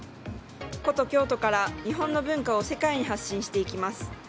古都・京都から日本の文化を世界に発信していきます。